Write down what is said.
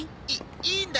いいいんだ。